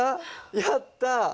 やった！